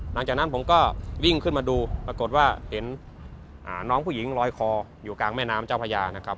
หลังจากนั้นผมก็วิ่งขึ้นมาดูปรากฏว่าเห็นน้องผู้หญิงลอยคออยู่กลางแม่น้ำเจ้าพญานะครับ